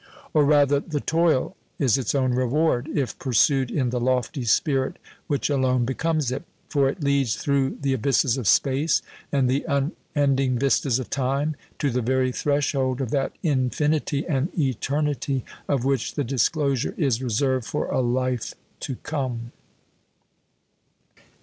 Or rather, the toil is its own reward, if pursued in the lofty spirit which alone becomes it. For it leads through the abysses of space and the unending vistas of time to the very threshold of that infinity and eternity of which the disclosure is reserved for a life to come.